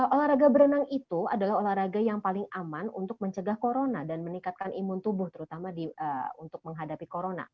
olahraga berenang itu adalah olahraga yang paling aman untuk mencegah corona dan meningkatkan imun tubuh terutama untuk menghadapi corona